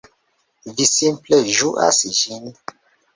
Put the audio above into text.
Vi simple ĝuas ĝin.